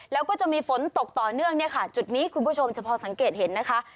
แล้วก็จะมีฝนตกต่อเนื่องเนี่ยค่ะจุดนี้คุณผู้ชมจะพอสังเกตเห็นนะคะ